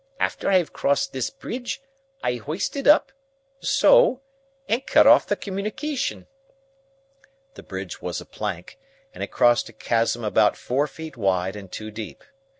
After I have crossed this bridge, I hoist it up—so—and cut off the communication." The bridge was a plank, and it crossed a chasm about four feet wide and two deep.